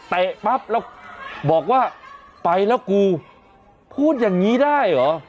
ปั๊บแล้วบอกว่าไปแล้วกูพูดอย่างนี้ได้เหรอ